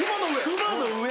熊の上。